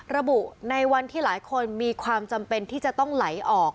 ระบุในวันที่หลายคนมีความจำเป็นที่จะต้องไหลออก